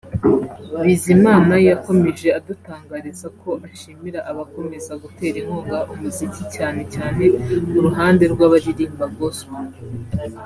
Bizimana yakomeje adutangariza ko ashimira abakomeza gutera inkunga umuziki cyane cyane mu ruhande rw’abaririmba Gospel